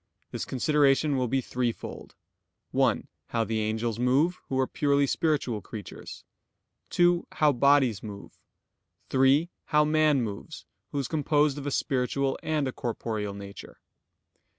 This consideration will be threefold: (1) How the angels move, who are purely spiritual creatures; (2) How bodies move; (3) How man moves, who is composed of a spiritual and a corporeal nature.